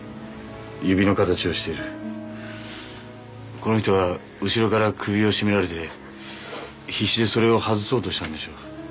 指の形をしてるこの人は後ろから首を絞められて必死でそれを外そうとしたんでしょう